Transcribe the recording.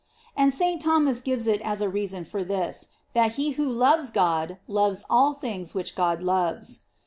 "* And St. Thomas gives it as a reason for this, that he who loves God, loves all things which God loves.